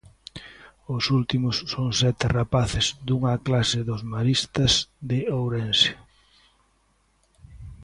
Os últimos son sete rapaces dunha clase dos maristas de Ourense.